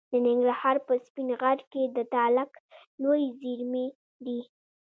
د ننګرهار په سپین غر کې د تالک لویې زیرمې دي.